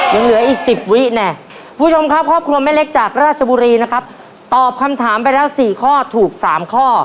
ยังเหลืออีก๑๐วิแน่คุณผู้ชมครับครอบครัวแม่เล็กจากราชบุรีนะครับตอบคำถามไปแล้ว๔ข้อถูก๓ข้อ